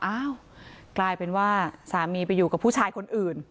อ้าวกลายเป็นว่าสามีไปอยู่กับผู้ชายคนอื่น